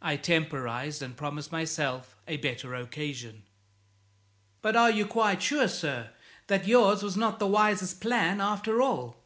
I temporized, and promised myself a better occasion. "But are you quite sure, sir, that yours was not the wisest plan, after all?"